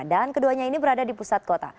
dan keduanya ini berada di pusat kota